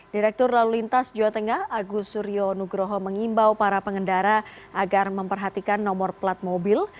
direktur lalu lintas jawa tengah agus suryo nugroho mengimbau para pengendara agar memperhatikan nomor plat mobil